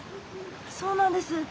そうなんです。